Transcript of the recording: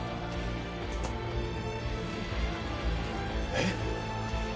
えっ？